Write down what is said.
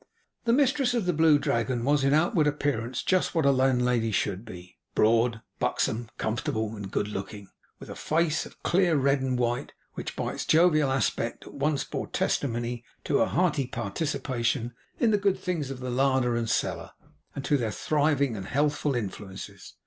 The mistress of the Blue Dragon was in outward appearance just what a landlady should be: broad, buxom, comfortable, and good looking, with a face of clear red and white, which, by its jovial aspect, at once bore testimony to her hearty participation in the good things of the larder and cellar, and to their thriving and healthful influences.